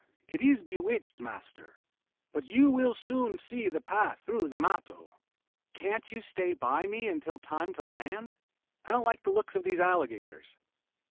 It is bewitched, master. But you will soon see the path through the matto." "Can't you stay by me until time to land? I don't like the looks of these alligators."